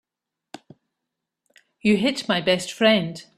You hit my best friend.